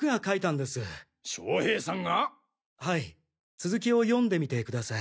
続きを読んでみてください。